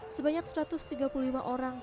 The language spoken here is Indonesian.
sebanyak satu ratus tiga puluh lima orang